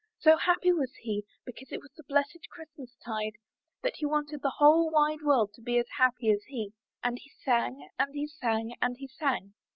So happy was he because it was the blessed Christmas tide, that he wanted the whole wide world to be as happy as he. And he sang, and he sang, and he sang.